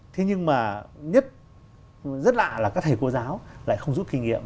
thế nhưng mà nhất rất lạ là các thầy cô giáo lại không rút kinh nghiệm